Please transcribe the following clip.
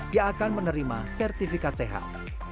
dia akan menerima sertifikat sehat